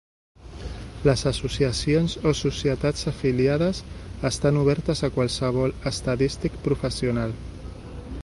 Les associacions o societats afiliades estan obertes a qualsevol estadístic professional.